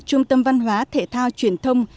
trung tâm văn hóa thể thao truyền thông